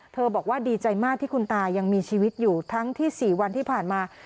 บอกว่าดีใจมากที่คุณตายังมีชีวิตอยู่ทั้งที่๔วันที่ผ่านมา